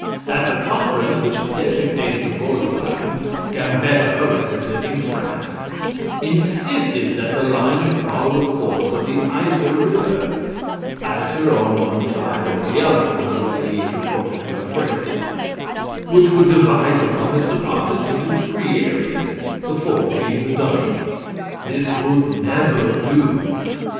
At the conference which designated the border line, Gambetta, representing France, insisted that the line should follow the course of the Iser River ("iser on one side or the other," was the way he is reported to have phrased it), which would divide the pumice deposits into three areas, the fourth being the dummy. This would never do.